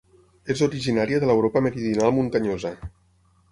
És originària de l'Europa meridional muntanyosa.